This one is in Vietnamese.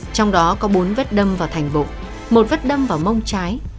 trong đó có bốn vết đâm vào thành bụng một vết đâm vào mông trái